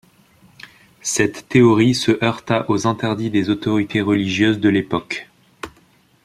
Cette théorie se heurta aux interdits des autorités religieuses de l'époque.